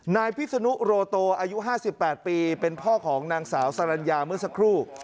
นายพิศนุโรโตอายุ๕๘ปีเป็นพ่อของนางสาวสรรญาเมื่อสักครู่